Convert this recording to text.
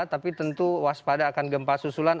tapi tentu waspada akan gempa susulan